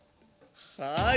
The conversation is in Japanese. はい。